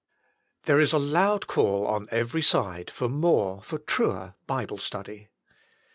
There is a loud call on every side for more, for truer, Bible study.